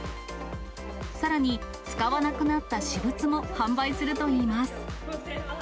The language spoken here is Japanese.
さらに、使わなくなった私物も販売するといいます。